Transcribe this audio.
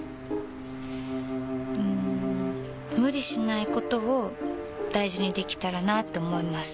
うん無理しないことを大事にできたらなって思います。